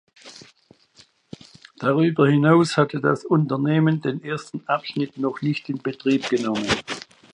Darüber hinaus hatte das Unternehmen den ersten Abschnitt noch nicht in Betrieb genommen.